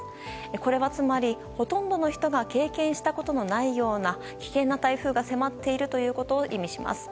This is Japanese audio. これは、ほとんどの人が経験したことのないような危険な台風が迫っているということを意味します。